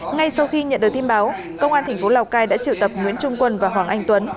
ngay sau khi nhận được tin báo công an thành phố lào cai đã triệu tập nguyễn trung quân và hoàng anh tuấn